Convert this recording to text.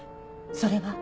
それは？